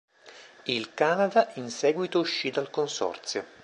Il Canada in seguito uscì dal consorzio.